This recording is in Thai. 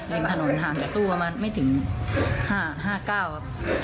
ริมถนนห่างจากตู้ประมาณไม่ถึง๕๙ครับ